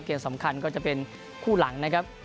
เกมสำคัญก็จะเป็นคู่หลังนะครับ